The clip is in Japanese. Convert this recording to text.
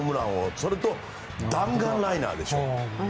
それと、弾丸ライナーでしょ。